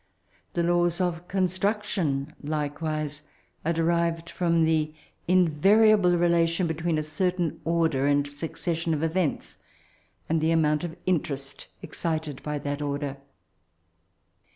The laws of oonstruction, likewise, are derived from the in^tariable relation between a certain order and succession of events, and the amount of interest excited by that order.